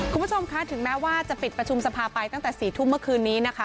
คุณผู้ชมคะถึงแม้ว่าจะปิดประชุมสภาไปตั้งแต่๔ทุ่มเมื่อคืนนี้นะคะ